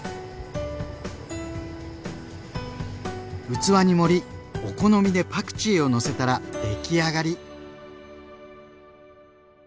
器に盛りお好みでパクチーをのせたら出来上がり。